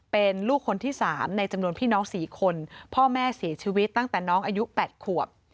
เป็นลูกคนที่๓ในจำนวนพี่น้อง๔คนพ่อแม่เสียชีวิตตั้งแต่น้องอายุ๘ขวบ